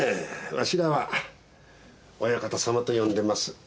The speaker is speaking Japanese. わしらは「お館様」と呼んでます。